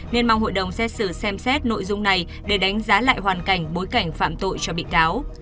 nên mong hội đồng xét xử xem xét nội dung này để đánh giá lại hoàn cảnh bối cảnh phạm tội cho bị cáo